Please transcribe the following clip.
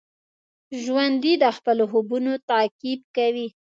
ژوندي د خپلو خوبونو تعقیب کوي